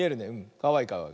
かわいいかわいい。